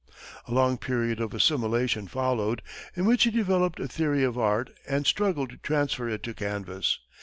A long period of assimilation followed, in which he developed a theory of art and struggled to transfer it to canvas.